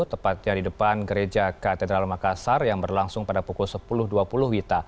tepatnya di depan gereja katedral makassar yang berlangsung pada pukul sepuluh dua puluh wita